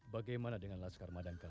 bagaimana dengan las karma dan kara